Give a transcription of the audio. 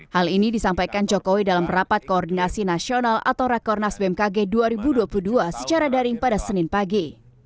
hal ini disampaikan jokowi dalam rapat koordinasi nasional atau rakornas bmkg dua ribu dua puluh dua secara daring pada senin pagi